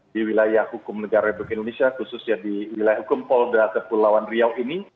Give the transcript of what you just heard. di wilayah hukum negara republik indonesia khususnya di wilayah hukum polda kepulauan riau ini